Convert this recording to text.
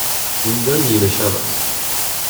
اینجا نیمه شب است.